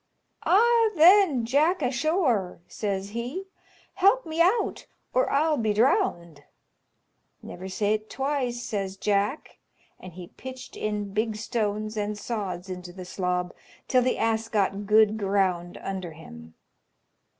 "Ah, then, Jack asthore," says he, "help me out or I'll be drowned." "Never say't twice," says Jack, and he pitched in big stones and sods into the slob, till the ass got good ground under him.